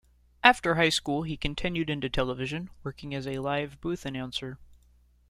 After high school he continued into television, working as a live booth announcer.